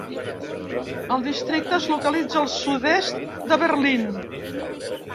El districte es localitza al sud-est de Berlín.